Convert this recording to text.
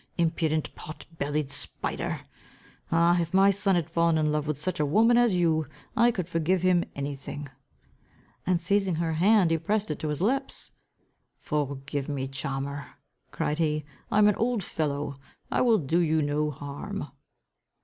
Impudent, pot bellied spider! Ah, if my son had fallen in love with such a woman as you, I could forgive him any thing." And seizing her hand he pressed it to his lips. "Forgive me, charmer," cried he, "I am an old fellow. I will do you no harm."